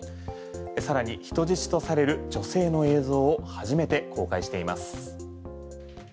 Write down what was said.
さらに人質とされる女性の映像を初めて公開しています。